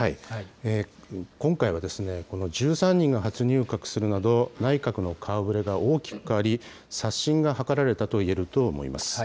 今回は、１３人が初入閣するなど、内閣の顔ぶれが大きく変わり、刷新が図られたといえると思います。